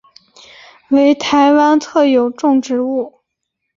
为台湾特有种植物。